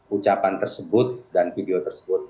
ucapan tersebut dan video tersebut